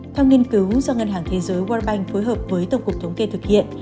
theo nghiên cứu do ngân hàng thế giới world bank phối hợp với tổng cục thống kê thực hiện